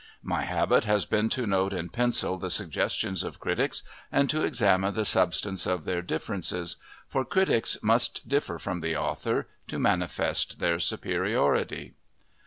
My habit has been to note in pencil the suggestions of critics, and to examine the substance of their differences; for critics must differ from the author, to manifest their superiority.